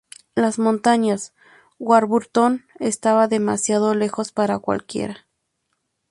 Las Montañas Warburton estaban demasiado lejos para cualquiera.